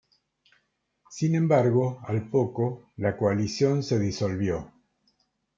Sin embargo, al poco la coalición se disolvió.